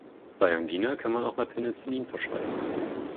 Bei Angina kann man auch mal Penicillin verschreiben.